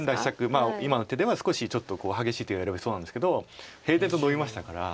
今の手では少しちょっと激しい手を選びそうなんですけど平然とノビましたから。